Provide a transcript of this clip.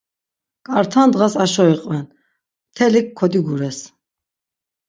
Ǩarta ndğas aşo iqven, mtelik kodigures.